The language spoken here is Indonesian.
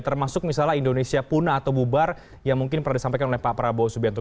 termasuk misalnya indonesia punah atau bubar yang mungkin pernah disampaikan oleh pak prabowo subianto